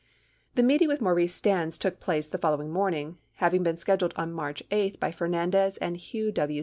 84 The meeting with Maurice Stans took place the following morning, having been scheduled on March 8 by Fernandez and Hugh W.